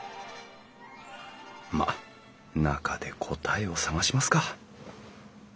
まあ中で答えを探しますか。